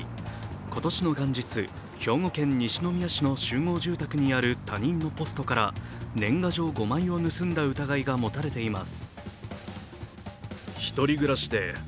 今年の元日、兵庫県西宮市の集合住宅にある他人のポストから年賀状５枚を盗んだ疑いが持たれています。